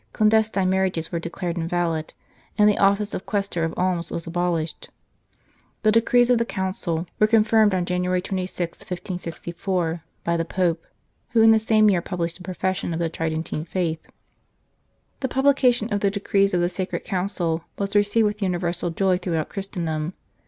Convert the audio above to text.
Clandestine marriages were declared invalid, and the office of questor of alms was abolished. The decrees of the Council were confirmed on January 26, 1564, by the Pope, who in the same year published the Profession of the Tridentine Faith. The publication of the decrees of the Sacred Council was received with universal joy throughout Christendom.